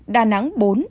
đà nẵng bốn